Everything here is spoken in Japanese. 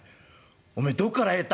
おめえどっから入った？」。